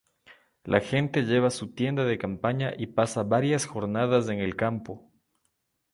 La gente lleva su tienda de campaña y pasa varias jornadas en el campo.